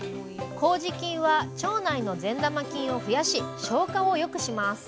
こうじ菌は腸内の善玉菌を増やし消化を良くします。